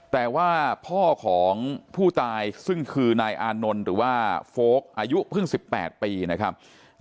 แต่ว่าพ่อของผู้ตายซึ่งคือนายอานนท์หรือว่าโฟลกอายุเพิ่ง๑๘ปีนะครับ